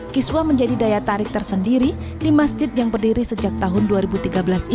kiswa menjadi daya tarik tersendiri di masjid yang berdiri sejak tahun dua ribu tiga belas ini